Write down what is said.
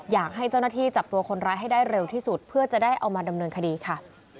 อยากให้เจ้าหน้าที่จับตัวคนร้ายให้ได้เร็วที่สุดเพื่อจะได้เอามาดำเนินคดีค่ะ